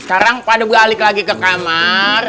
sekarang pada balik lagi ke kamar